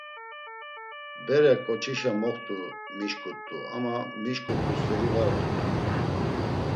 Bere ǩoçişa komoxtu mişǩut̆u ama mişǩut̆u st̆eri var ort̆u.